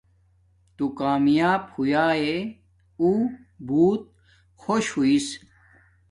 تو کمیاپ ہویاݵ اُو بوت خوش ہوݵس